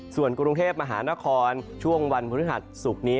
ส่วนกรุงเทพฯมหานครช่วงวันบุริษัทฯสุกนี้